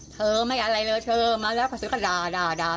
เติมไม่อะไรเลยเติมมาแล้วพอซื้อกันด่า